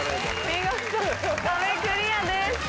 見事壁クリアです。